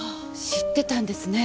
知ってたんですね。